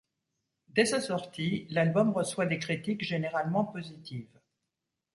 Dès sa sortie, l'album reçoit des critiques généralement positives.